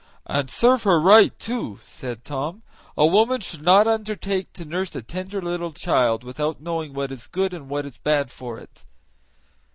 "And serve her right, too," said Tom. "A woman should not undertake to nurse a tender little child without knowing what is good and what is bad for it."